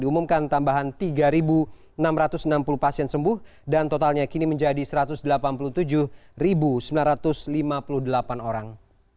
diumumkan tambahan tiga enam ratus enam puluh pasien sembuh dan totalnya kini menjadi satu ratus delapan puluh tujuh sembilan ratus lima puluh delapan orang